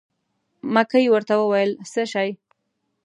مکۍ ورته وویل: څه شی.